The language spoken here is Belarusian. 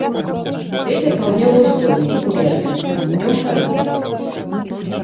Вецер паўднёва-ўсходні ўмераны, днём парывісты.